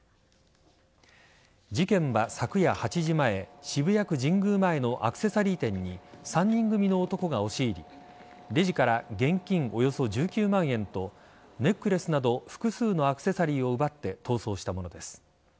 事件は昨夜８時前渋谷区神宮前のアクセサリー店に３人組の男が押し入りレジから現金およそ１９万円とネックレスなど複数のアクセサリーを奪って逃走したものです。